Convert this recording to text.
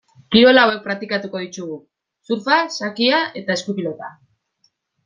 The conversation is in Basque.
Kirol hauek praktikatuko ditugu: surfa, xakea eta eskupilota.